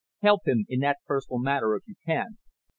Help him in that personal matter if you can.